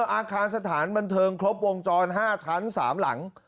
อาคารสถานบันเทิงครบวงจร๕ชั้น๓หลัง